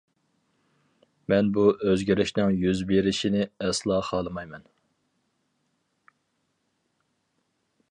مەن بۇ ئۆزگىرىشنىڭ يۈز بېرىشىنى ئەسلا خالىمايمەن.